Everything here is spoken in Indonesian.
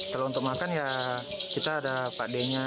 kalau untuk makan ya kita ada pak d nya